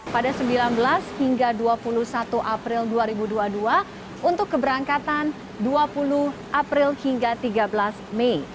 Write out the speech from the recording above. pada sembilan belas hingga dua puluh satu april dua ribu dua puluh dua untuk keberangkatan dua puluh april hingga tiga belas mei